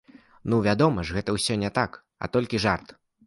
Ну, вядома ж, гэта ўсё не так, а толькі жарт.